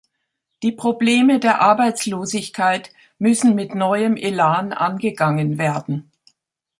Die Probleme der Arbeitslosigkeit müssen mit neuem Elan angegangen werden.